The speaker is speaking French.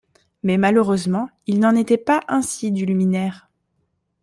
Mais malheureusement, il n’en était pas ainsi du luminaire.